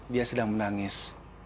dia sedang menangis